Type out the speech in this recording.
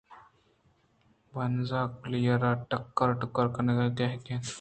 بانز کُلیءَرا ٹُکّر ٹُکّر کنگ ءِ گیگ اَت